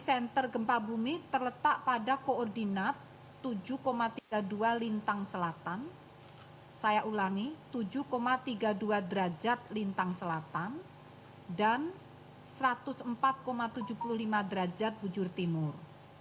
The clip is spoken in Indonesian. senter gempa bumi terletak pada koordinat tujuh tiga puluh dua lintang selatan saya ulangi tujuh tiga puluh dua derajat lintang selatan dan satu ratus empat tujuh puluh lima derajat bujur timur